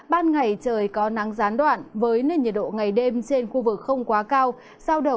ban ngày trời có nắng gián đoạn với nền nhiệt độ ngày đêm trên khu vực không quá cao